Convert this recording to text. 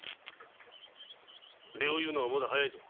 礼を言うのはまだ早いぞ。